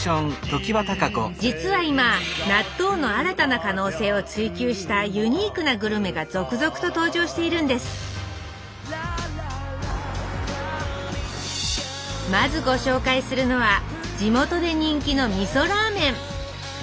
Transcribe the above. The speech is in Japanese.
実は今納豆の新たな可能性を追求したユニークなグルメが続々と登場しているんですまずご紹介するのは地元で人気のみそラーメン。